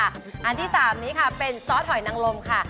อันที่๓นี้ค่ะเป็นซอสหอยนังลมค่ะ